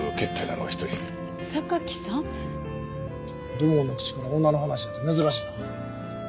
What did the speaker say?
土門の口から女の話やて珍しいな。